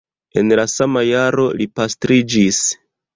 En la sama jaro li pastriĝis.